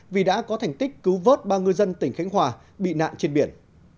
vì đã có thành tích cứu vớt ba ngư dân tỉnh khánh hòa bị nạn trên biển